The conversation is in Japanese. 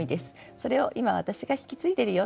それを今私が引き継いでるよ